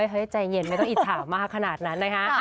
ใจเย็นไม่ต้องอิจฉามากขนาดนั้นนะคะ